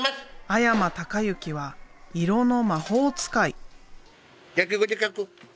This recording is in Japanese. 阿山隆之は色の魔法使い。